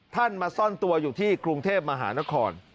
มาซ่อนตัวอยู่ที่กรุงเทพมหานคร